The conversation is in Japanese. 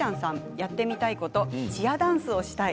やってみたいことチアダンスをしたい。